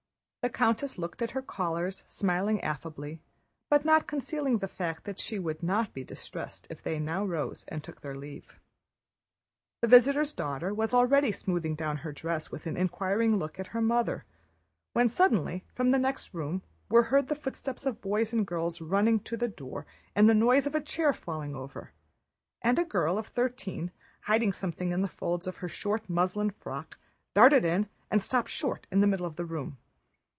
The countess looked at her callers, smiling affably, but not concealing the fact that she would not be distressed if they now rose and took their leave. The visitor's daughter was already smoothing down her dress with an inquiring look at her mother, when suddenly from the next room were heard the footsteps of boys and girls running to the door and the noise of a chair falling over, and a girl of thirteen, hiding something in the folds of her short muslin frock, darted in and stopped short in the middle of the room.